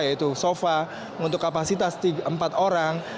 yaitu sofa untuk kapasitas empat orang